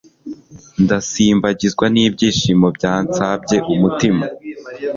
ndasimbagizwa n'ibyishimo byansabye umutima